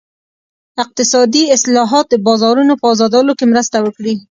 اقتصادي اصلاحات د بازارونو په ازادولو کې مرسته وکړي.